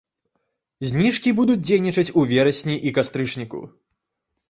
Зніжкі будуць дзейнічаць у верасні і кастрычніку.